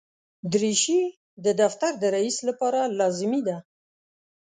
دریشي د دفتر د رئیس لپاره لازمي ده.